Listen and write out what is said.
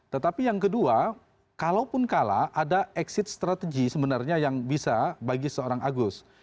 tetapi yang kedua kalaupun kalah ada exit strategy sebenarnya yang bisa bagi seorang agus